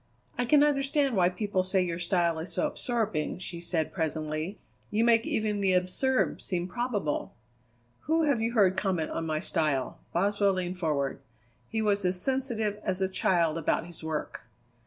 "I can understand why people say your style is so absorbing," she said presently; "you make even the absurd seem probable." "Who have you heard comment on my style?" Boswell leaned forward. He was as sensitive as a child about his work.